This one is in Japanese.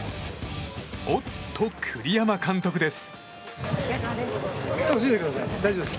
おっと、栗山監督です。